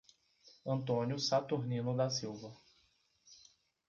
Antônio Saturnino da Silva